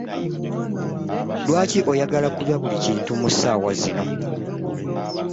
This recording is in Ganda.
Lwaki oyagala kulya buli kintu mu ssaawa zino?